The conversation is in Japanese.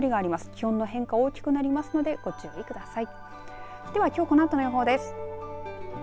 気温の変化、大きくなりますのでご注意ください。